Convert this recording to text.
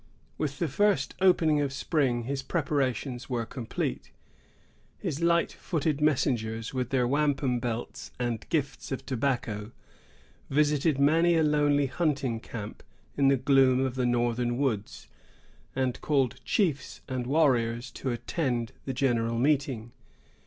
With the first opening of spring his preparations were complete. His light footed messengers, with their wampum belts and gifts of tobacco, visited many a lonely hunting camp in the gloom of the northern woods, and called chiefs and warriors to attend the general meeting.